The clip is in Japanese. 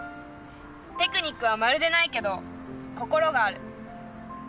テクニックはまるでないけど心がある。